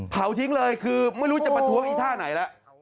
เผาทิ้งเลยคือไม่รู้จะประท้วงอีท่าไหนแล้ว